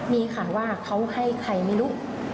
มีค่ะว่าเขาให้ใครไม่รู้